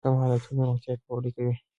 سم عادتونه روغتیا پیاوړې کوي.